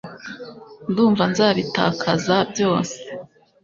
Ndumva nzabitakaza byose